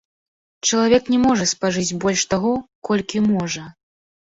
Чалавек не можа спажыць больш таго, колькі можа.